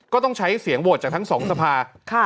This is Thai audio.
ก็ต้องใช้เสียงโวจากทั้ง๒สภาพ